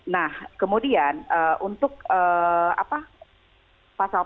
nah kemudian untuk pasal pasal